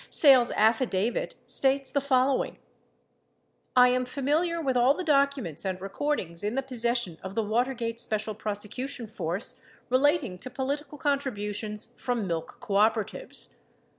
Sale's affidavit states the following : I am familiar with all the documents and recordings in the possession of the Watergate Special Prosecution Force relating to political contributions from milk cooperatives.